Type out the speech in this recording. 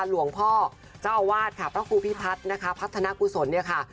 หลวงพ่อเจ้าอาวาสค่ะพระครูพิพัฒน์นะคะพัฒนากุศลเนี่ยค่ะ